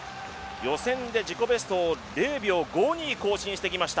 予選で自己ベストを０秒５２更新してきました